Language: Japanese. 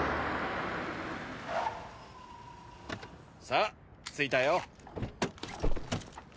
さあ着いたよ。